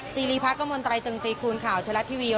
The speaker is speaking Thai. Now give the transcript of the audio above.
สิริพักษ์กระมวลไตรตึงตีคูณข่าวเทลาทีวี